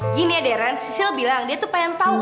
gini ya darren si sil bilang dia tuh pengen tau